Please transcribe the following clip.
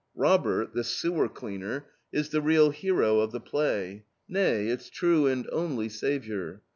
Robert, the sewer cleaner, is the real hero of the play; nay, its true and only savior.